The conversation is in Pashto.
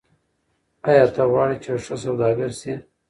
آیا ته غواړې چې یو ښه سوداګر شې؟